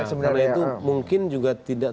sebenarnya itu mungkin juga tidak